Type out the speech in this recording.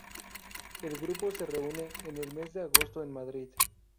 El grupo se reúne en el mes de agosto en Madrid.